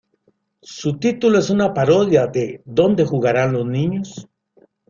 Su título es una parodia de "¿Dónde jugarán los niños?